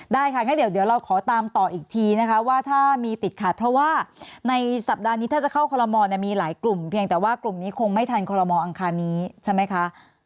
ได้ค่ะงั้นเดี๋ยวเราขอตามต่ออีกทีนะคะว่าถ้ามีติดขัดเพราะว่าในสัปดาห์นี้ถ้าจะเข้าคอลโมมีหลายกลุ่มเพียงแต่ว่ากลุ่มนี้คงไม่ทันคอลโมอังคารนี้ใช่ไหมคะ